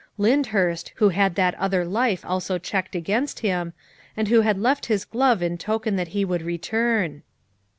Lynd hurst, who had that other life also checked against him, and who had left his glove in token that he would return.